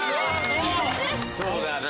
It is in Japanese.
そうだね。